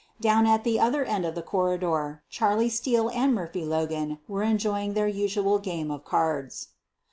Down at the other end of the corridor, Charlie Steele and Murphy Logan were enjoying their usual game of cards.